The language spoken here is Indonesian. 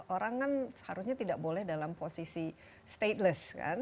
orang kan seharusnya tidak boleh dalam posisi stateless kan